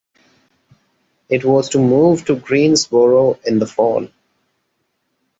It was to move to Greensboro in the fall.